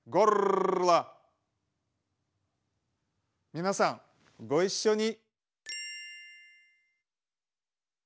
皆さんご一緒に。